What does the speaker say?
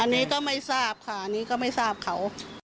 อันนี้ก็ไม่ทราบค่ะอันนี้ก็ไม่ทราบเขา